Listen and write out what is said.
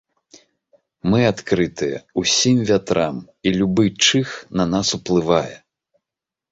Мы адкрытыя ўсім вятрам і любы чых на нас уплывае.